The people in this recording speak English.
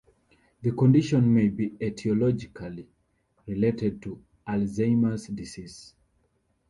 The condition may be etiologically related to Alzheimer's disease.